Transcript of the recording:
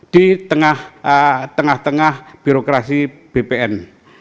di tengah tengah birokrasi bpn